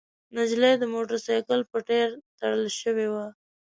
نجلۍ د موټرسايکل په ټاير تړل شوې وه.